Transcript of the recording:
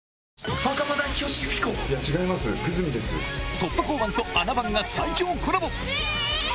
突破交番とあな番が最強コラボ。